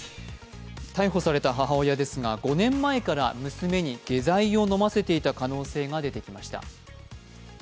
逮捕された母親ですが５年前から娘に下剤を飲ませていた可能性が出てきました。